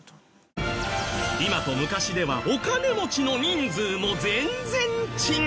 今と昔ではお金持ちの人数も全然違う！